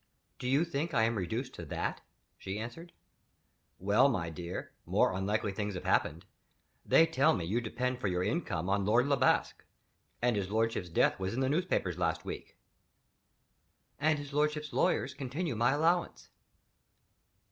"Do you think I am reduced to that?" she answered. "Well, my dear, more unlikely things have happened. They tell me you depend for your income on Lord Le Basque and his lordship's death was in the newspapers last week." "And his lordship's lawyers continue my allowance."